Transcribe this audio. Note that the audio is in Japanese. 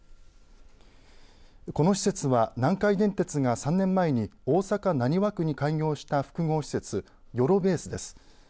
この施設は南海電鉄が３年前に大阪、浪速区に開業した複合施設ＹＯＬＯＢＡＳＥです。